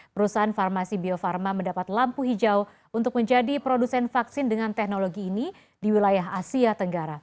perusahaan farmasi bio farma mendapat lampu hijau untuk menjadi produsen vaksin dengan teknologi ini di wilayah asia tenggara